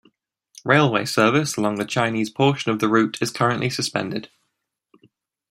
Railway service along the Chinese portion of the route is currently suspended.